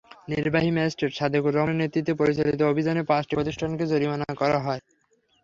নির্বাহী ম্যাজিস্ট্রেট সাদেকুর রহমানের নেতৃত্বে পরিচালিত অভিযানে পাঁচটি প্রতিষ্ঠানকে জরিমানা করা হয়।